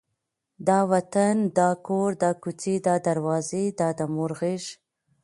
دا وطن، دا کور، دا کوڅې، دا دروازې، دا د مور غېږ،